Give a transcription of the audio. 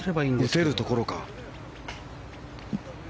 打てるところか。